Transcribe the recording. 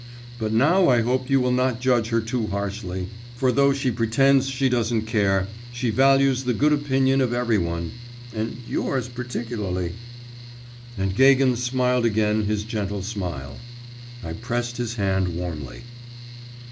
But now I hope you will not judge her too harshly; for though she pretends she doesn't care, she values the good opinion of every one, and yours particularly.' And Gagin smiled again his gentle smile. I pressed his hand warmly.